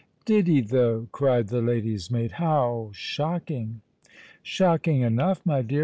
"Did he, though?" cried the lady's maid. "How shocking!" "Shocking enough, my dear.